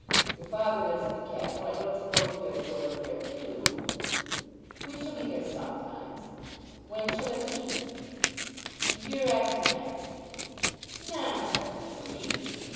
Your father lives at the castle. I don't suppose we are to go and live there too." "We shall be there sometimes. When shall it be?" "The year after next." "Nonsense, Marie."